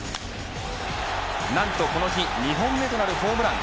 何とこの日２本目となるホームラン。